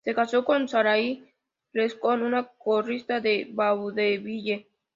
Se casó con Sarah Lescot, una corista de "vaudeville".